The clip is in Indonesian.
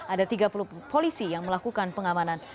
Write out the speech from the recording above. ada tiga puluh polisi yang melakukan pengamanan